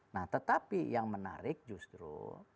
nah tetapi yang menarik justru